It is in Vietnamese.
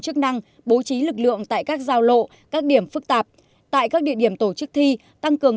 chức năng bố trí lực lượng tại các giao lộ các điểm phức tạp tại các địa điểm tổ chức thi tăng cường